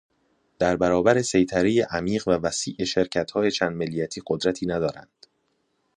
در برابر سیطره ی عمیق و وسیع شرکت های چند ملیتی قدرتی ندارند.